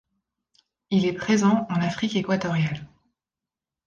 Il est présent en Afrique équatoriale.